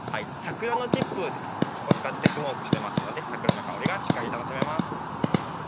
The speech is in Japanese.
桜のチップを使ってスモークしてますので桜の香りがしっかり楽しめます。